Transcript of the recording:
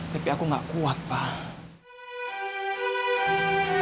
tapi aku gak kuat pak